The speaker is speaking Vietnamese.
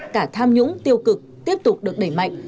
cả tham nhũng tiêu cực tiếp tục được đẩy mạnh